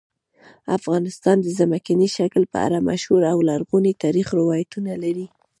افغانستان د ځمکني شکل په اړه مشهور او لرغوني تاریخی روایتونه لري.